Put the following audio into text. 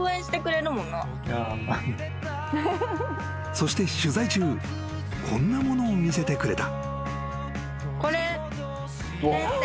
［そして取材中こんなものを見せてくれた］